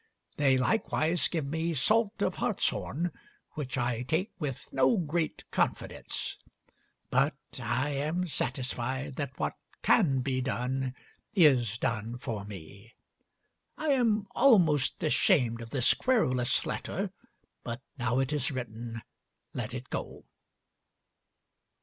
They likewise give me salt of hartshorn, which I take with no great confidence; but I am satisfied that what can be done is done for me. I am almost ashamed of this querulous letter, but now it is written let it go."